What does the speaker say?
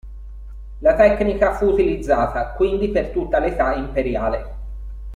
La tecnica fu utilizzata quindi per tutta l'età imperiale.